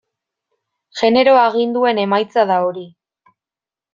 Genero aginduen emaitza da hori.